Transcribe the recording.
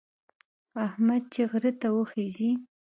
احمد چې غره ته وخېژي،